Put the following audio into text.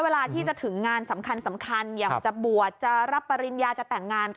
เวลาที่จะถึงงานสำคัญอยากจะบวชจะรับปริญญาจะแต่งงาน